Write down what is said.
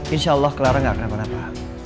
insya allah clear gak kenapa napa